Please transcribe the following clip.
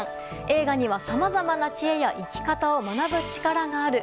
映画には、さまざまな知恵や生き方を学ぶ力がある。